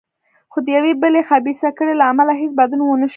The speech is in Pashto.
خو د یوې بلې خبیثه کړۍ له امله هېڅ بدلون ونه شو.